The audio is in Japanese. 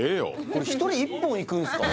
これ１人１本いくんすか？